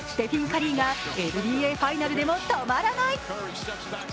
・カリーがＮＢＡファイナルでも止まらない。